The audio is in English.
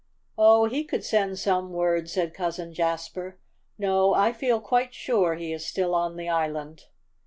"Oh, he could send some word," said Cousin Jasper. "No, I feel quite sure he is still on the island."